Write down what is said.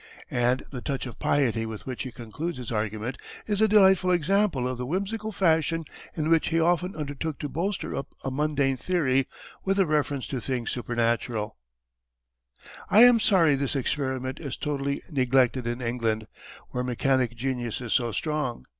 And the touch of piety with which he concludes his argument is a delightful example of the whimsical fashion in which he often undertook to bolster up a mundane theory with a reference to things supernatural. [Illustration: A French Observation Balloon on Fire. © U. & U.] I am sorry this Experiment is totally neglected in England, where mechanic Genius is so strong.